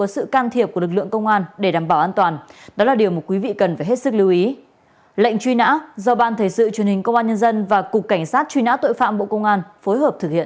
xin chào và hẹn gặp lại